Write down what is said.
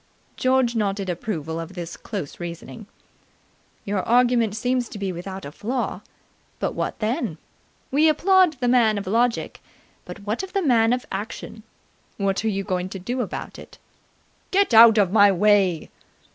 George nodded approval of this close reasoning. "Your argument seems to be without a flaw. But what then? We applaud the Man of Logic, but what of the Man of Action? What are you going to do about it?" "Get out of my way!"